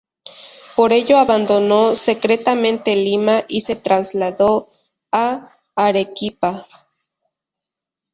Por ello abandonó secretamente Lima y se trasladó a Arequipa.